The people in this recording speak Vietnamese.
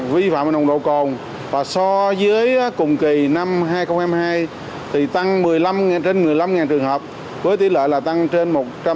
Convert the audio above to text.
vi phạm nồng độ cồn và so với cùng kỳ năm hai nghìn hai mươi hai thì tăng trên một mươi năm trường hợp với tỷ lệ là tăng trên một trăm sáu mươi hai